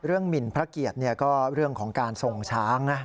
หมินพระเกียรติก็เรื่องของการส่งช้างนะ